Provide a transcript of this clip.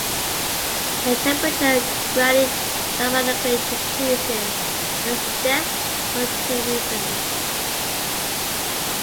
The temperature gradient dramatically decreases with depth for two reasons.